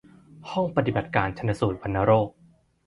ห้องปฏิบัติการชันสูตรวัณโรค